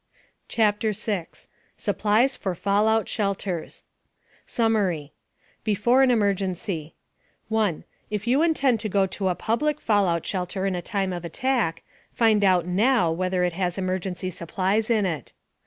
CHAPTER 6 SUPPLIES FOR FALLOUT SHELTERS SUMMARY BEFORE AN EMERGENCY 1. If you intend to go to a public fallout shelter in a time of attack, find out now whether it has emergency supplies in it.